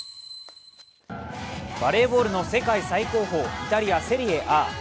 バレーボールの世界最高峰イタリア・セリエＡ。